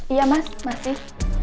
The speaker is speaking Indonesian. iya mas masih